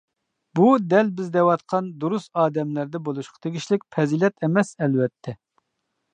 بۇ دەل بىز دەۋاتقان دۇرۇس ئادەملەردە بولۇشقا تېگىشلىك پەزىلەت ئەمەس ئەلۋەتتە.